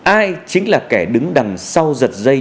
ai chính là kẻ đứng đằng sau giật dây